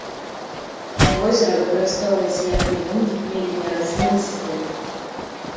Возера выкарыстоўваецца як прыёмнік меліярацыйных сістэм.